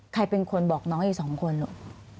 ใครเป็นคนบอกน้องอีก๒คนลูก